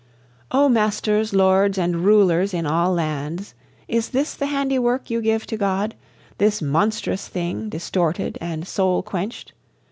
O masters, lords, and rulers in all lands, Is this the handiwork you give to God, This monstrous thing distorted and soul quenched?